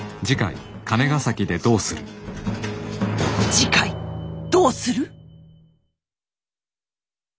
次回どうする？